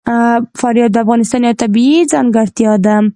فاریاب د افغانستان یوه طبیعي ځانګړتیا ده.